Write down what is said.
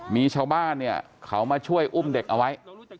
มีชาวบ้านเนี่ยเขามาช่วยอุ้มเด็กเอาไว้